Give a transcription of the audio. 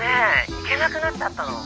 行けなくなっちゃったの。